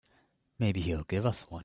Maybe he'll give us one.